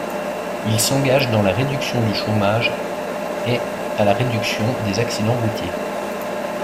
Il s'engage dans la réduction du chômage et à la réduction des accidents routiers.